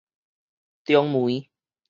中梅